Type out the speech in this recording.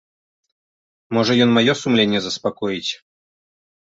Можа, ён маё сумленне заспакоіць.